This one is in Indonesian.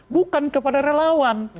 bukan kepada relawan